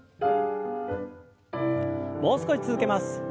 もう少し続けます。